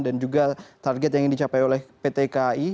dan juga target yang ingin dicapai oleh pt kai